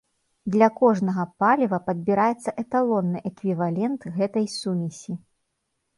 Для кожнага паліва падбіраецца эталонны эквівалент гэтай сумесі.